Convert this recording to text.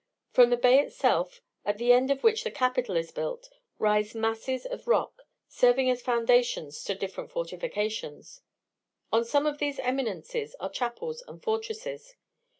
From the bay itself, at the end of which the capital is built, rise masses of rock, serving as foundations to different fortifications. On some of these eminences are chapels and fortresses.